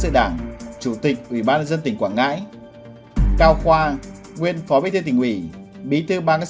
sự đảng chủ tịch ủy ban nhân dân tỉnh quảng ngãi cao khoa nguyên phó bí thư tỉnh ủy bí thư ban xã